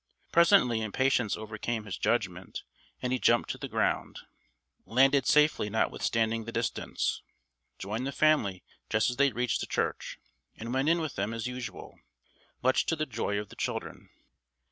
Presently impatience overcame his judgment and he jumped to the ground, landed safely notwithstanding the distance, joined the family just as they reached the church, and went in with them as usual, much to the joy of the children.